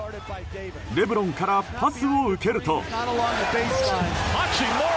レブロンからパスを受けると。